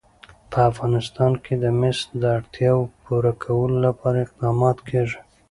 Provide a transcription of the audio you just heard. په افغانستان کې د مس د اړتیاوو پوره کولو لپاره اقدامات کېږي.